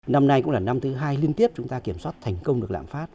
năm nay cũng là năm thứ hai liên tiếp chúng ta kiểm soát thành công được lạm phát